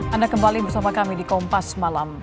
anda kembali bersama kami di kompas malam